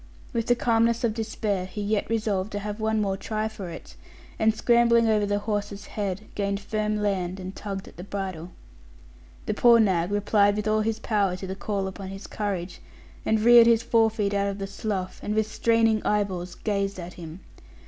With the calmness of despair, he yet resolved to have one more try for it; and scrambling over the horse's head, gained firm land, and tugged at the bridle. The poor nag replied with all his power to the call upon his courage, and reared his forefeet out of the slough, and with straining eyeballs gazed at him.